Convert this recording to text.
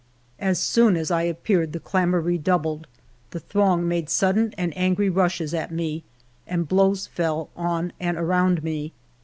As soon as I appeared the clamor redoubled. The throng made sudden and angry rushes at me, and blows fell on and around me.